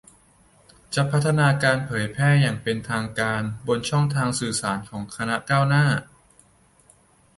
จะพัฒนาและเผยแพร่อย่างเป็นทางการบนช่องทางสื่อสารของคณะก้าวหน้า